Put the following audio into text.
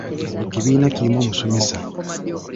Buli kibiina kirimu omusomesa.